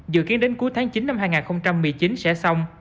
dự kiến đến cuối tháng chín năm hai nghìn một mươi chín sẽ xong